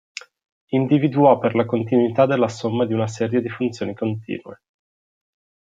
Individuò per la continuità della somma di una serie di funzioni continue.